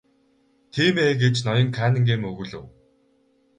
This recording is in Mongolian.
Тийм ээ гэж ноён Каннингем өгүүлэв.